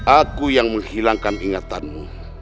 aku yang menghilangkan ingatanmu